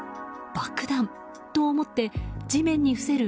爆弾？と思って地面に伏せる